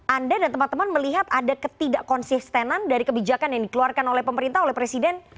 anda dan teman teman melihat ada ketidak konsistenan dari kebijakan yang dikeluarkan oleh pemerintah oleh presiden